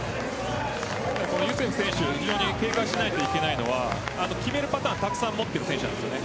ユセフは非常に警戒しないといけないのは決めるパターンをたくさん持ってる選手です。